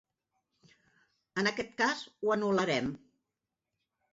En aquest cas ho anul·larem.